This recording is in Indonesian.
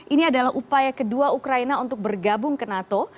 ini adalah upaya kedua ukraina untuk bergabung ke nato